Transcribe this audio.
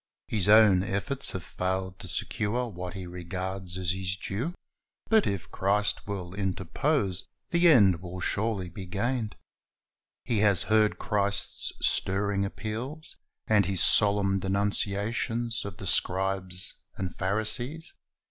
His own efforts have failed to secure what he regards as his due; but if Christ will interpose, the end will surely be gained. He has heard Christ's stirring appeals, and His solemn denunciations of the scribes and Pharisees.